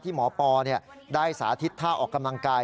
หมอปอได้สาธิตท่าออกกำลังกาย